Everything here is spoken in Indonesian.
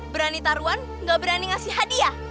berani taruhan gak berani ngasih hadiah